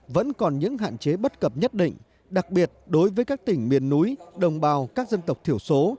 vẫn còn những hạn chế bất cập nhất định đặc biệt đối với các tỉnh miền núi đồng bào các dân tộc thiểu số